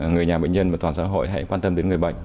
người nhà bệnh nhân và toàn xã hội hãy quan tâm đến người bệnh